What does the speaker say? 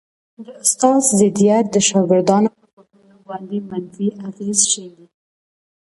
د استاد ضدیت د شاګردانو پر فکرونو باندي منفي اغېز شیندي